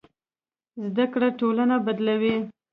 زده کړه ټولنه بدلوي.